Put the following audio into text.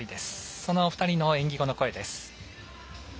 その２人の演技後の声です。